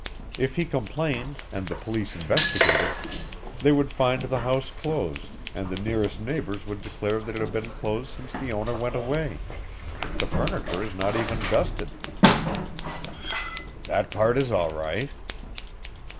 If he complained, and the police investigated, they would find the house closed, and the nearest neighbors would declare that it had been closed since the owner went away. The furniture is not even dusted." "That part is all right."